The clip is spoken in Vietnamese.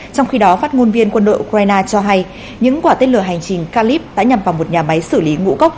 trong khi đó phát ngôn viên quân đội ukraine cho hay những quả tên lửa hành trình calip đã nhằm vào một nhà máy xử lý ngũ cốc